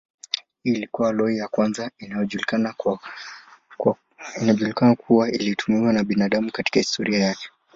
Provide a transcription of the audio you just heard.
Hii ilikuwa aloi ya kwanza inayojulikana kuwa ilitumiwa na binadamu katika historia yake.